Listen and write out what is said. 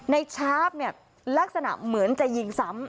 ชาร์ฟเนี่ยลักษณะเหมือนจะยิงซ้ำ